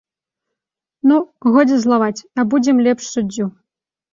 Ну, годзе злаваць, абудзім лепш суддзю.